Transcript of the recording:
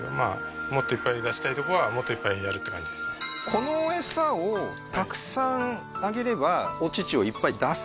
この餌をたくさんあげればお乳をいっぱい出す？